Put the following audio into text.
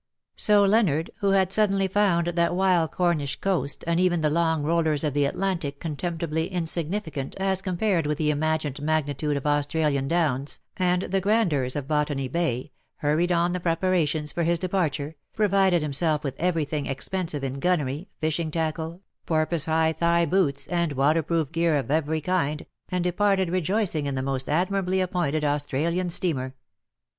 So Leonard, who had suddenly found that wild Cor THE DAYS THAT ARE NO MORE. 21 nish coast, and even the long rollers of the Atlantic contemptibly insignificant as compared with the imagined magnitude of Australian downs, and the grandeurs of Botany Bay, hurried on the preparations for his departure, provided himself with everything expensive in gunnery^ fishing tackle, porpoise hide thigh boots, and waterproof gear of every kind, and departed rejoicing in the most admirably appointed Australian steamer.